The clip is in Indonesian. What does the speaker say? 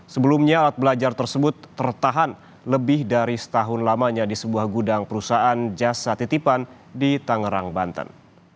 sebelumnya alat belajar tersebut tertahan lebih dari setahun lamanya di sebuah gudang perusahaan jasa titipan di tangerang banten